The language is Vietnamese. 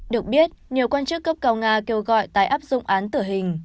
được biết nhiều quan chức cấp cao nga kêu gọi tái áp dụng án tử hình